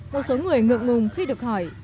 một số người ngượng ngùng khi được hỏi